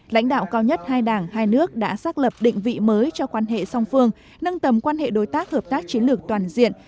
lãnh đạo cao nhất hai đảng hai nước đã xác lập định vị mới cho quan hệ song phương nâng tầm quan hệ đối tác hợp tác chiến lược toàn diện